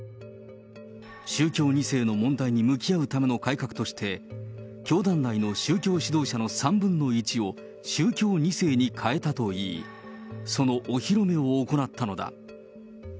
宗教２世の問題に向き合うための改革として、教団内に宗教指導者の３分の１を宗教２世に代えたといい、そのお披露目を行ったのだ。